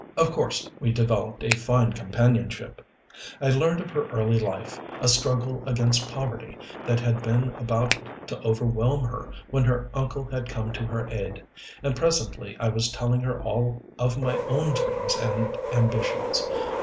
Of course we developed a fine companionship. I learned of her early life, a struggle against poverty that had been about to overwhelm her when her uncle had come to her aid; and presently I was telling her all of my own dreams and ambitions.